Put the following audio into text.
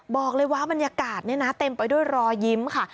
บอกเลยว่าบรรยากาศนี่นะเต็มไปด้วยรอยิ้มค่ะ